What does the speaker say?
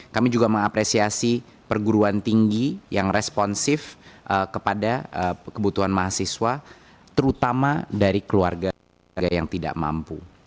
kami juga mengapresiasi perguruan tinggi yang responsif kepada kebutuhan mahasiswa terutama dari keluarga yang tidak mampu